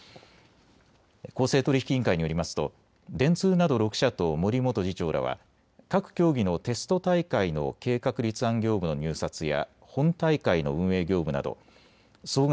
公正取引委員会によりますと電通など６社と森元次長らは各競技のテスト大会の計画立案業務の入札や本大会の運営業務など総額